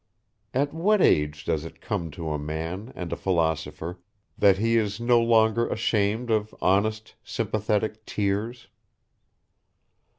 At what age does it come to a man and a philosopher that he is no longer ashamed of honest, sympathetic tears?